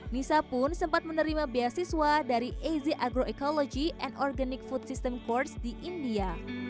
nisa pun sempat menerima beasiswa dari az agroekologi and organic food system force di india